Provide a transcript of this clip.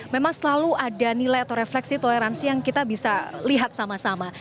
memang selalu ada nilai atau refleksi toleransi yang kita bisa lihat sama sama